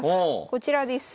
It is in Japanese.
こちらです。